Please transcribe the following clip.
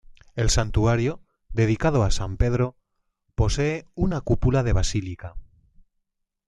El santuario, dedicado a san Pedro, posee una cúpula de basílica.